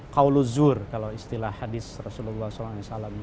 kau luzur kalau istilah hadits rasulullah saw